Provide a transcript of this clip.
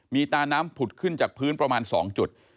มีตาน้ำผุดขึ้นจากพื้นประมาณ๒จุด